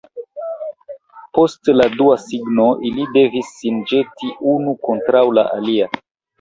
Post la dua signo ili devis sin ĵeti unu kontraŭ la alia.